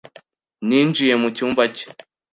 Ninjiye mucyumba cye,